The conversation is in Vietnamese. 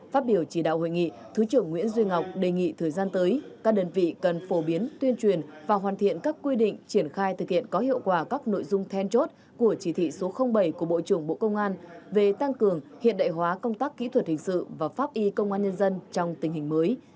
phát biểu chỉ đạo hội nghị thứ trưởng nguyễn duy ngọc đề nghị thời gian tới các đơn vị cần phổ biến tuyên truyền và hoàn thiện các quy định triển khai thực hiện có hiệu quả các nội dung then chốt của chỉ thị số bảy của bộ trưởng bộ công an về tăng cường hiện đại hóa công tác kỹ thuật hình sự và pháp y công an nhân dân trong tình hình mới